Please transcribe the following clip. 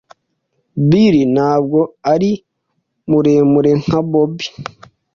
Bill ntabwo ari muremure nka Bob.